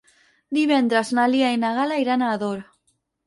Divendres na Lia i na Gal·la iran a Ador.